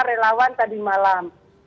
karena rupanya kita harus berpengalaman